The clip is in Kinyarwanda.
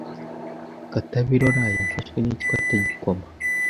Katabirora yafashwe n’iki ko atagikoma